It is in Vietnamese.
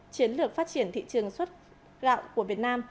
chiến lược phát triển thị trường xuất gạo của việt nam